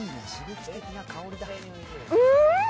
うん！